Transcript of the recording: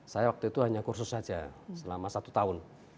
saya waktu itu hanya kursus saja selama satu tahun